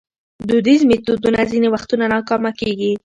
دودیز میتودونه ځینې وختونه ناکامه کېږي.